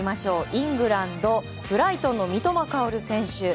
イングランド、ブライトンの三笘薫選手。